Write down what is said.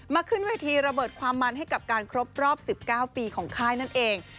ขึ้นเวทีระเบิดความมันให้กับการครบรอบ๑๙ปีของค่ายนั่นเอง